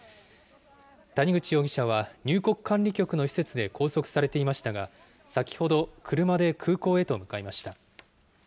谷口容疑者は、入国管理局の施設で拘束されていましたが、先ほど車で空港へと向かいました。